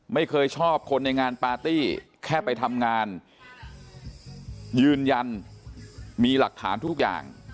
ไม่เคยชอบคนในงานปาร์ตี้แค่ไปทำงานยืนยันมีหลักฐานทุกอย่าง